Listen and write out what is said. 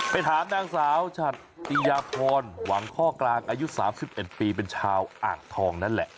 ไปถามนางสาวชัดติยาพรหวังข้อกลางอายุ๓๑ปีเป็นชาวอ่างทองนั่นแหละ